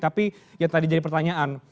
tapi yang tadi jadi pertanyaan